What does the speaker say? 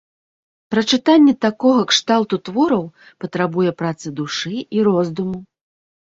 Прачытанне такога кшталту твораў патрабуе працы душы і роздуму.